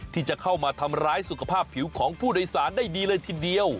ที่จะเข้ามาทำร้ายสุขภาพผิวของผู้โดยสารได้ดีเลยทีเดียว